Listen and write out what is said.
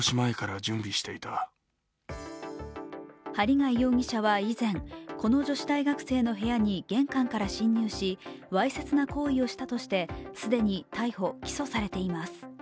針谷容疑者は以前、この女子大学生の部屋に玄関から侵入しわいせつな行為をしたとして既に逮捕・起訴されています。